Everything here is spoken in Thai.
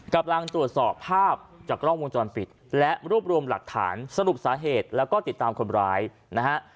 กำลังตรวจสอบภาพจากกล้องวงจรปิดและรวบรวมหลักฐานสรุปสาเหตุแล้วก็ติดตามคนร้ายนะฮะ